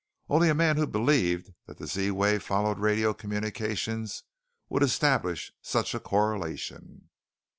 "Only a man who believed that the Z wave followed radio communications would establish such a correlation."